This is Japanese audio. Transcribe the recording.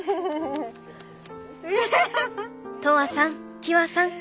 とわさんきわさん